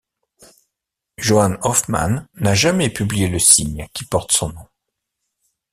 Johann Hoffmann n'a jamais publié le signe qui porte son nom.